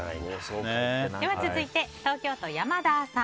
続いて、東京都の方。